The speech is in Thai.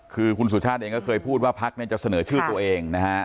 คือคุณสุชาติเองก็เคยพูดว่าพักเนี่ยจะเสนอชื่อตัวเองนะฮะ